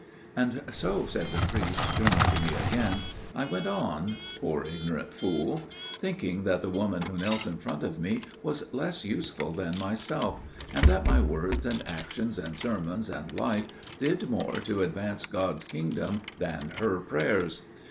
"And so," said the priest, turning to me again, "I went on––poor ignorant fool!––thinking that the woman who knelt in front of me was less useful than myself, and that my words and actions and sermons and life did more to advance God's kingdom than her prayers!